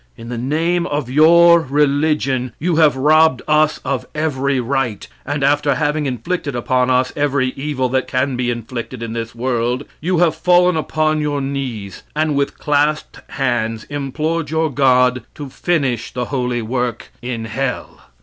In the name of your religion you have robbed us of every right; and after having inflicted upon us every evil that can be inflicted in this world, you have fallen upon your knees, and with clasped hands implored your God to finish the holy work in hell.